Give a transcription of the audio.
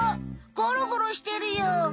ゴロゴロしてるよ。